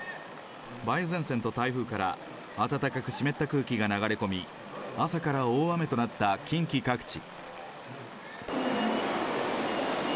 梅雨前線と台風から暖かく湿った空気が流れ込み、朝から大雨となった近畿各地。